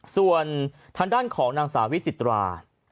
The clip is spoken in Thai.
ส่วนทางด้านของนางสาววิจิตรา